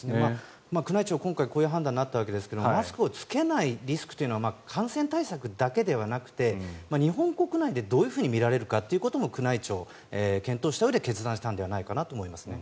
宮内庁、今回こういう判断になったわけですがマスクを着けないリスクというのは感染対策だけではなくて日本国内でどう見られるかも宮内庁、検討したうえで判断したんじゃないかと思いますね。